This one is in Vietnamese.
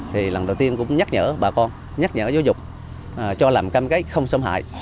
thì lần đầu tiên cũng nhắc nhở bà con nhắc nhở giáo dục cho làm cam kết không xâm hại